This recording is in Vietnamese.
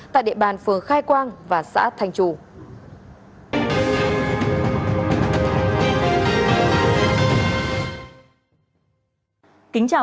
tại địa bàn phường khai quang và xã thanh trù